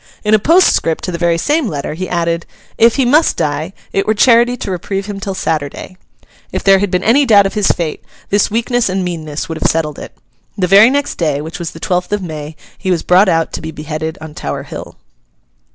In a postscript to the very same letter, he added, 'If he must die, it were charity to reprieve him till Saturday.' If there had been any doubt of his fate, this weakness and meanness would have settled it. The very next day, which was the twelfth of May, he was brought out to be beheaded on Tower Hill.